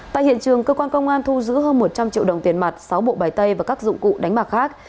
tại hiện trường cơ quan công an thu giữ hơn một trăm linh triệu đồng tiền mặt sáu bộ bài tay và các dụng cụ đánh bạc khác